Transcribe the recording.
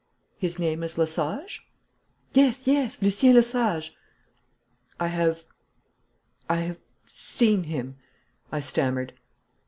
'His name is Lesage?' 'Yes, yes. Lucien Lesage.' 'I have I have seen him,' I stammered.